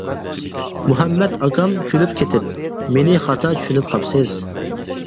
مۇھەممەت ئاكام كۈلۈپ كېتىپ:-مېنى خاتا چۈشىنىپ قاپسىز.